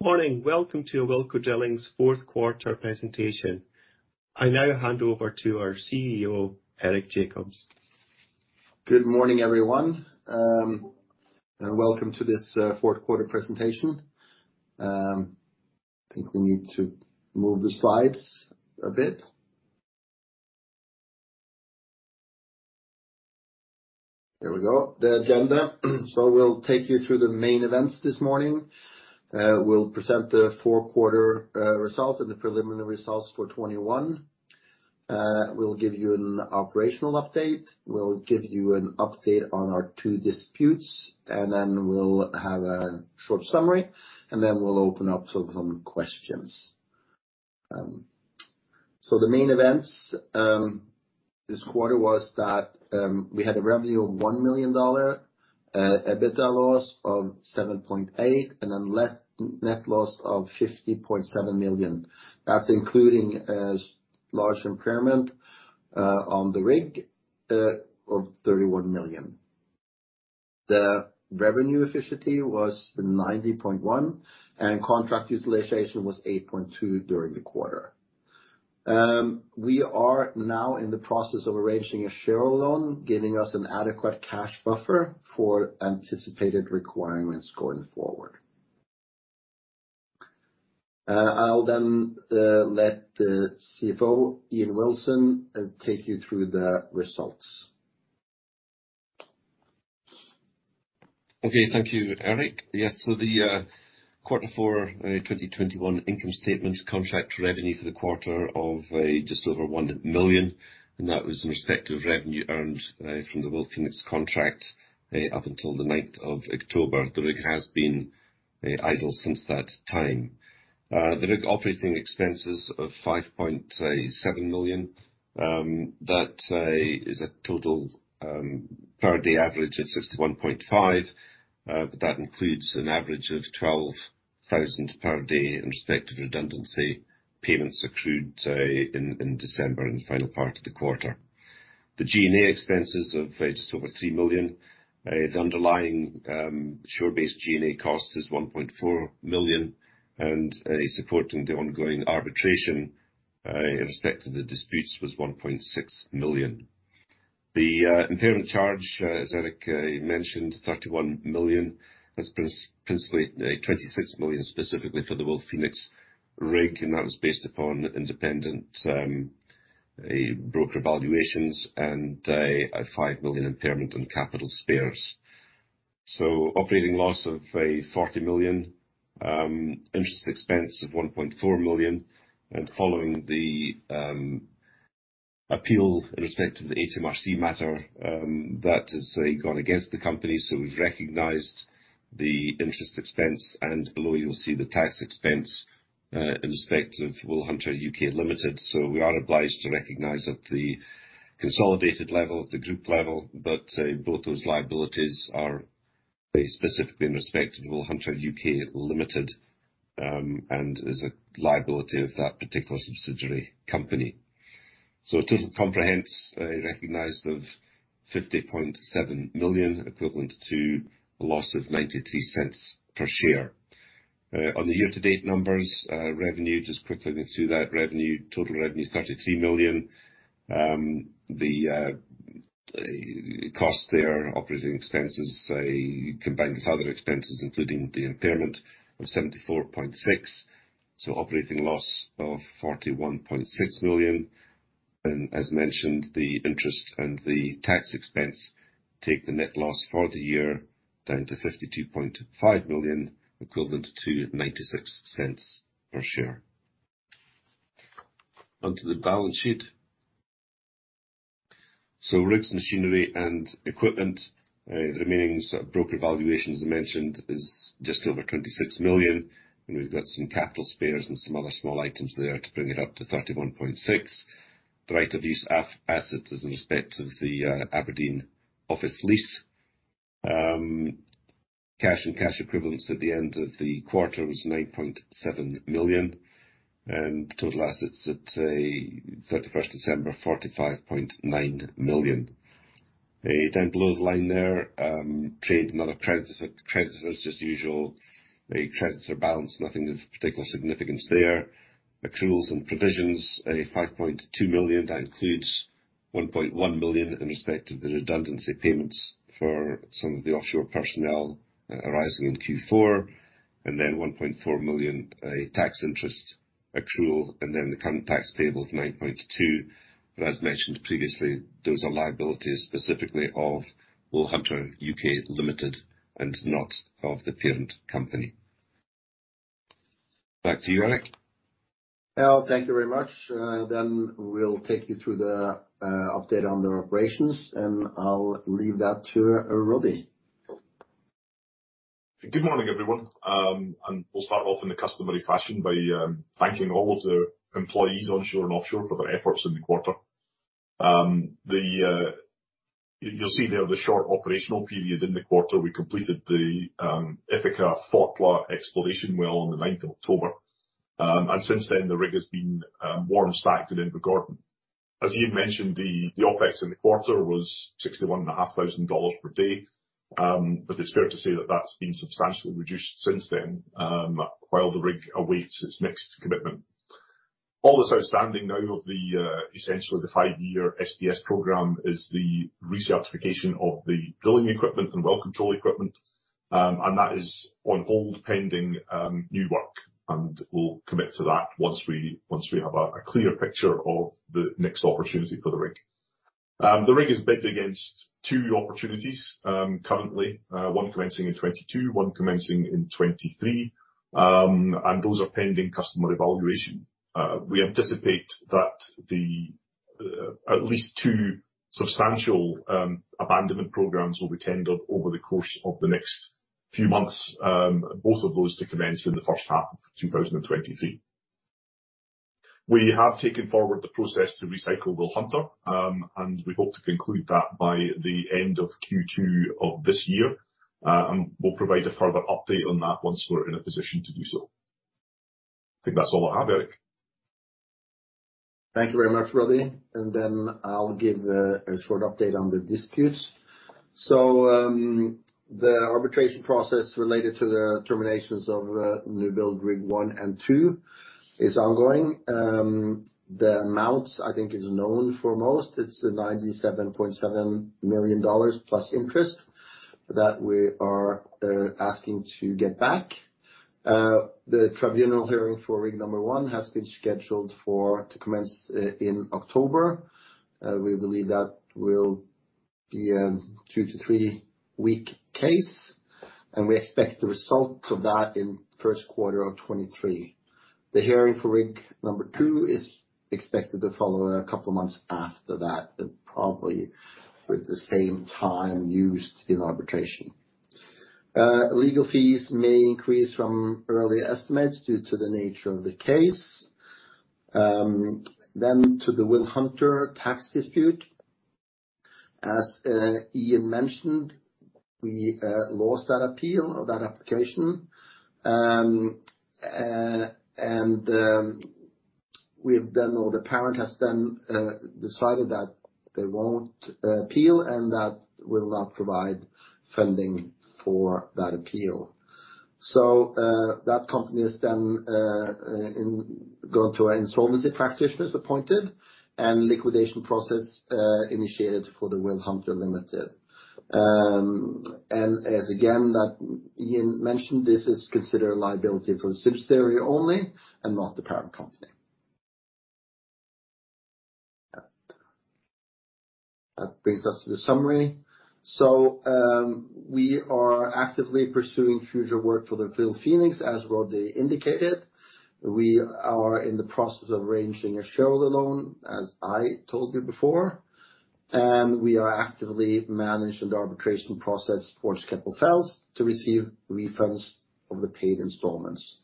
Morning. Welcome to Awilco Drilling's fourth quarter presentation. I now hand over to our CEO, Erik Jacobsen. Good morning, everyone, and welcome to this fourth quarter presentation. I think we need to move the slides a bit. There we go. The agenda. We'll take you through the main events this morning. We'll present the fourth quarter results and the preliminary results for 2021. We'll give you an operational update. We'll give you an update on our two disputes, and then we'll have a short summary, and then we'll open up for some questions. The main events this quarter was that we had a revenue of $1 million, EBITDA loss of 7.8 million, and then net loss of 50.7 million. That's including a large impairment on the rig of 31 million. The revenue efficiency was 90.1%, and contract utilization was 8.2% during the quarter. We are now in the process of arranging a share loan, giving us an adequate cash buffer for anticipated requirements going forward. I'll let the CFO, Ian Wilson, take you through the results. Okay. Thank you, Erik. Yes. The quarter four 2021 income statement contract revenue for the quarter of just over 1 million, and that was in respect of revenue earned from the WilPhoenix contract up until the ninth of October. The rig has been idle since that time. The rig operating expenses of 5.7 million, that is a total per day average of 61.5. But that includes an average of 12,000 per day in respect of redundancy payments accrued in December in the final part of the quarter. The G&A expenses of just over 3 million. The underlying shore-based G&A cost is 1.4 million, and supporting the ongoing arbitration in respect to the disputes was 1.6 million. The impairment charge, as Eric mentioned, 31 million, is principally 26 million specifically for the WilPhoenix rig, and that was based upon independent broker valuations and a 5 million impairment on capital spares. Operating loss of 40 million. Interest expense of 1.4 million. Following the appeal in respect to the HMRC matter, that has gone against the company, so we've recognized the interest expense. Below you'll see the tax expense in respect of WilHunter (U.K.) Ltd. We are obliged to recognize at the consolidated level, the group level, but both those liabilities are specifically in respect of WilHunter (U.K.) Ltd. and is a liability of that particular subsidiary company. A total comprehensive recognized of 50.7 million, equivalent to a loss of 0.93 per share. On the year-to-date numbers, revenue, just quickly go through that. Revenue, total revenue, 33 million. The cost there, operating expenses combined with other expenses including the impairment of 74.6 million, so operating loss of 41.6 million. As mentioned, the interest and the tax expense take the net loss for the year down to 52.5 million, equivalent to 0.96 per share. On to the balance sheet. Rigs, machinery and equipment, the remaining sort of broker valuation as I mentioned, is just over 26 million, and we've got some capital spares and some other small items there to bring it up to 31.6 million. The right of use of assets is in respect of the Aberdeen office lease. Cash and cash equivalents at the end of the quarter was 9.7 million. Total assets at 31 December, 45.9 million. Down below the line there, trade and other creditors as usual. The creditor balance, nothing of particular significance there. Accruals and provisions, 5.2 million. That includes 1.1 million in respect of the redundancy payments for some of the offshore personnel arising in Q4, and then 1.4 million tax interest accrual, and then the current tax payable of 9.2. As mentioned previously, those are liabilities specifically of WilHunter (U.K.) Ltd. and not of the parent company. Back to you, Eric. Well, thank you very much. We'll take you through the update on the operations, and I'll leave that to Roddy. Good morning, everyone. We'll start off in the customary fashion by thanking all of the employees onshore and offshore for their efforts in the quarter. You'll see there the short operational period in the quarter. We completed the Ithaca Fotla exploration well on the ninth of October. Since then the rig has been moored and stacked at Invergordon. As you've mentioned, the OPEX in the quarter was 61,500 per day. It's fair to say that that's been substantially reduced since then while the rig awaits its next commitment. All that's outstanding now of essentially the five-year SPS program is the recertification of the drilling equipment and well control equipment. That is on hold pending new work, and we'll commit to that once we have a clearer picture of the next opportunity for the rig. The rig is bid against two opportunities currently, one commencing in 2022, one commencing in 2023. Those are pending customer evaluation. We anticipate that at least two substantial abandonment programs will be tendered over the course of the next few months. Both of those to commence in the first half of 2023. We have taken forward the process to recycle WilHunter, and we hope to conclude that by the end of Q2 of this year. We'll provide a further update on that once we're in a position to do so. I think that's all I have, Erik. Thank you very much, Roddy. I'll give a short update on the disputes. The arbitration process related to the terminations of new build rig one and two is ongoing. The amounts I think is known for most. It's $97.7 million plus interest that we are asking to get back. The tribunal hearing for rig number one has been scheduled to commence in October. We believe that will be a two- to three-week case, and we expect the result of that in first quarter of 2023. The hearing for rig number two is expected to follow a couple of months after that, and probably with the same time used in arbitration. Legal fees may increase from early estimates due to the nature of the case. To the WilHunter tax dispute. As Ian mentioned, we lost that appeal of that application. We have then or the parent has then decided that they won't appeal and that we'll not provide funding for that appeal. That company has then gone to insolvency practitioners appointed and liquidation process initiated for the WilHunter Limited. As again, as Ian mentioned, this is considered a liability for the subsidiary only and not the parent company. That brings us to the summary. We are actively pursuing future work for the WilPhoenix, as Roddy indicated. We are in the process of arranging a shareholder loan, as I told you before. We are actively managing the arbitration process for Keppel FELS to receive refunds of the paid installments.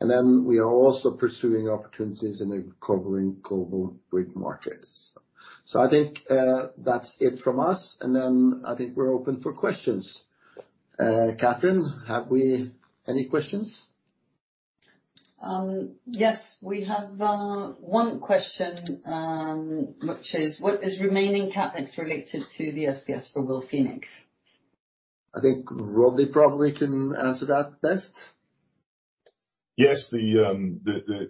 We are also pursuing opportunities in the recovering global rig market. I think, that's it from us. I think we're open for questions. Cathrine, have we any questions? Yes, we have one question, which is, what is remaining CapEx related to the SPS for WilPhoenix? I think Roddy probably can answer that best. Yes. The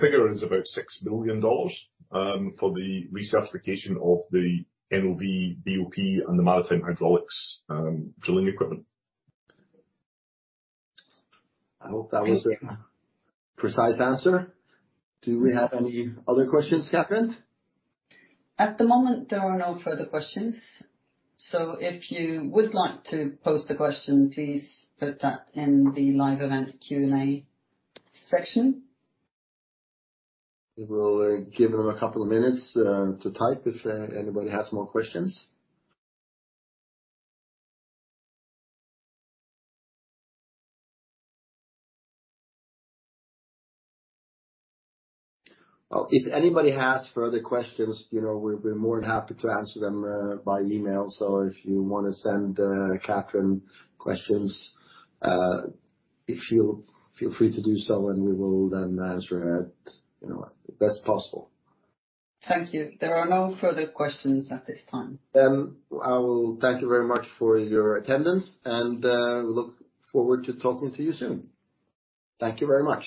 figure is about $6 million for the recertification of the NOV BOP and the Maritime Hydraulics drilling equipment. I hope that was a precise answer. Do we have any other questions, Cathrine? At the moment, there are no further questions. If you would like to pose the question, please put that in the live event Q&A section. We will give them a couple of minutes to type if anybody has more questions. Well, if anybody has further questions, you know, we'd be more than happy to answer them by email. If you wanna send Cathrine questions, you feel free to do so, and we will then answer it, you know, as best possible. Thank you. There are no further questions at this time. I will thank you very much for your attendance, and we look forward to talking to you soon. Thank you very much.